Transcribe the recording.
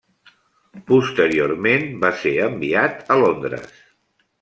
Posteriorment, va ser enviat a Londres.